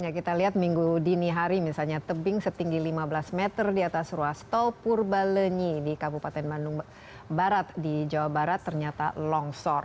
kita lihat minggu dini hari misalnya tebing setinggi lima belas meter di atas ruas tol purbalenyi di kabupaten bandung barat di jawa barat ternyata longsor